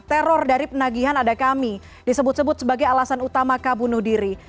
teror dari penagihan ada kami disebut sebut sebagai alasan utama kabunuh diri